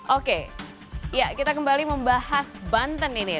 oke ya kita kembali membahas banten ini